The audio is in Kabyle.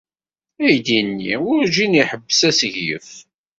Aydi-nni werǧin iḥebbes asseglef.